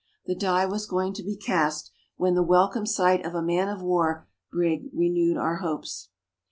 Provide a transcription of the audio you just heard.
The die was going to be cast, when the welcome sight of a man of war brig renewed our hopes.